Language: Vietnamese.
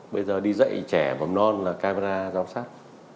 bây giờ đi dạy trẻ mầm non là camera giám sát